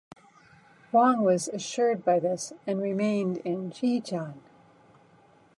Huang was assured by this and remained in Jicheng.